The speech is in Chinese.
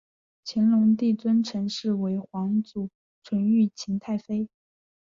乾隆帝尊陈氏为皇祖纯裕勤太妃。